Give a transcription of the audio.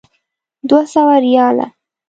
دوه سوه ریاله.